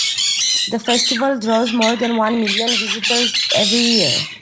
The festival draws more than one million visitors every year.